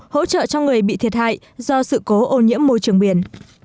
hỗ trợ cho người bị thiệt hại do sự cố ô nhiễm môi trường biển